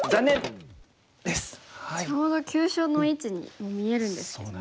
ちょうど急所の位置に見えるんですけどね。